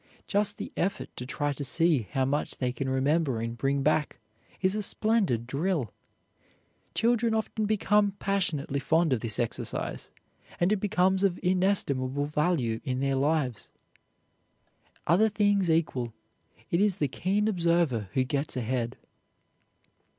Just the effort to try to see how much they can remember and bring back is a splendid drill. Children often become passionately fond of this exercise, and it becomes of inestimable value in their lives. Other things equal, it is the keen observer who gets ahead.